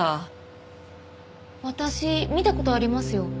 私見た事ありますよ。